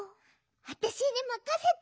わたしにまかせて！